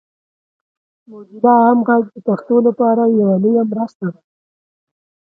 موزیلا عام غږ د پښتو لپاره یوه لویه مرسته ده.